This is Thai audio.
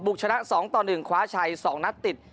บุกชนะ๒๑คว้าชัย๒นัดติด